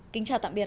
kính chào tạm biệt